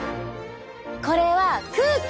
これは空気！